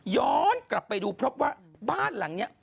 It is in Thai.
ย้อนกลับไปดูเพราะว่าบ้านหลังเนี่ย